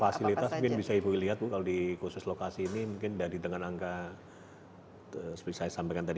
fasilitas mungkin bisa ibu lihat bu kalau di khusus lokasi ini mungkin dari dengan angka seperti saya sampaikan tadi